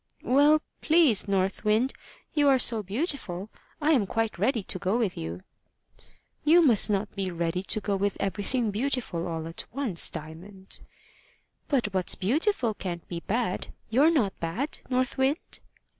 "Well, please, North Wind, you are so beautiful, I am quite ready to go with you." "You must not be ready to go with everything beautiful all at once, Diamond." "But what's beautiful can't be bad. You're not bad, North Wind?"